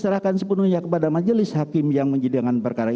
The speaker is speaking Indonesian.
sethank hijwa tuhan yang maha esa menemui memberikan kekuatan